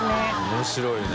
面白いね。